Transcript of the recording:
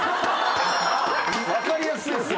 分かりやすいっすね。